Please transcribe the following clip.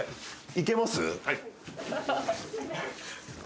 いけます？